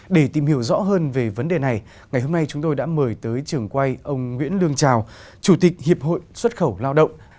để tìm hiểu rõ hơn về vấn đề này ngày hôm nay chúng tôi đã mời tới trường quay ông nguyễn lương trào chủ tịch hiệp hội xuất khẩu lao động